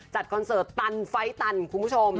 คอนเสิร์ตตันไฟล์ตันคุณผู้ชม